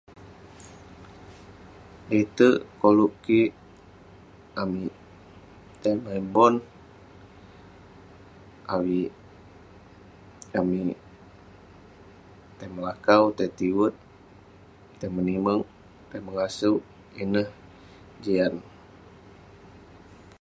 le'terk koluk kik amik tai main bon, avik amik tai melakau, tai tiwet, tai menimek, tai mengasouk, ineh, jian..